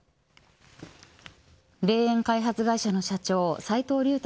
霊園開発会社の社長斎藤竜太